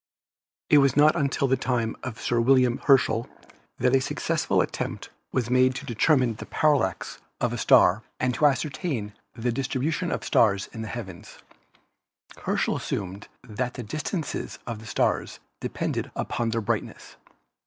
It was not until the time of Sir William Herschel that a THE CONSTELLATIONS 267 successful attempt was made to determine the parallax of a star and to ascertain the distribution of stars in the heavens. Herschel assumed that the distances of the stars depended upon their brightness.